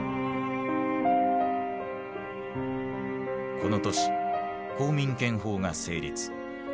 この年公民権法が成立。